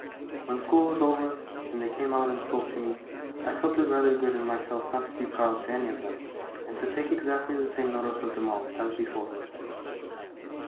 When school was over, and they came out and spoke to me, I felt it rather good in myself not to be proud to any of them, and to take exactly the same notice of them all, as before.